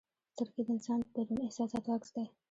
سترګې د انسان د دروني احساساتو عکس دی.